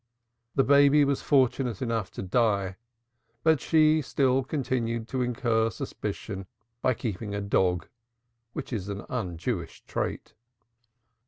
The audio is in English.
The baby was fortunate enough to die, but she still continued to incur suspicion by keeping a dog, which is an un Jewish trait.